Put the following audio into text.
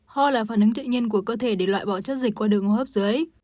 hò là phản ứng trị nhân của cơ thể để loại bỏ chất dịch qua đường hô hấp dưới